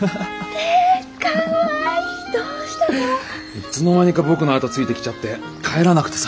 いつの間にか僕の後ついてきちゃって帰らなくてさ。